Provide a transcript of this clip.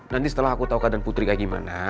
nanti setelah aku tahu keadaan putri kayak gimana